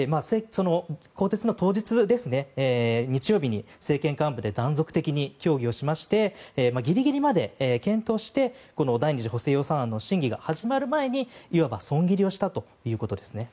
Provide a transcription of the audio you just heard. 更迭の当日日曜日に政権幹部で断続的に協議をしましてギリギリまで検討してこの第２次補正予算案の審議が始まる前に、いわば損切りをしたということです。